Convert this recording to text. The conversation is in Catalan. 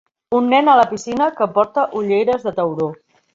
Un nen a la piscina que porta ulleres de tauró.